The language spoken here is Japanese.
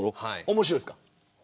面白いです。